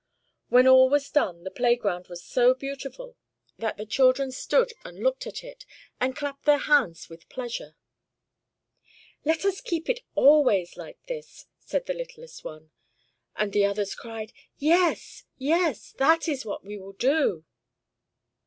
When all was done the playground was so beautiful that the children stood and looked at it, and clapped their hands with pleasure. "Let us keep it always like this!" said the littlest one; and the others cried, "Yes! yes! that is what we will do."